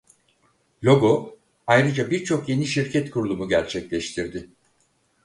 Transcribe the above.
Logo ayrıca birçok yeni şirket kurulumu gerçekleştirdi.